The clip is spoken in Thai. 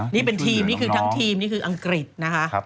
นี่เป็นทีมนี่คือทั้งทีมนี่คืออังกฤษนะคะ